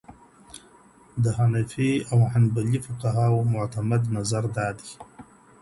د حنفي او حنبلي فقهاوو معتمد نظر دادی.